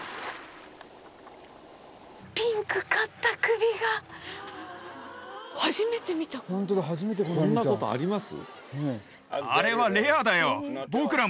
ピンクかった首が初めて見たこんなのこんなことあります？